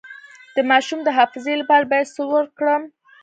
د ماشوم د حافظې لپاره باید څه ورکړم؟